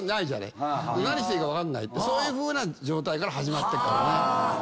何していいか分かんないってそういうふうな状態から始まってっからね。